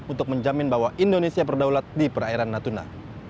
untuk menjamin bahwa indonesia berdaulat di perairan natuna